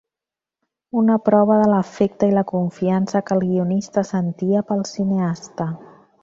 Una prova de l'afecte i la confiança que el guionista sentia pel cineasta.